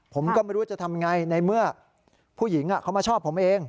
ผมก็ไม่รู้จะทำยังไงในเมื่อผู้หญิงเขามาชอบผมเอง